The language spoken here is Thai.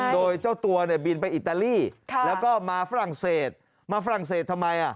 โดยเจ้าตัวเนี่ยบินไปอิตาลีแล้วก็มาฝรั่งเศสมาฝรั่งเศสทำไม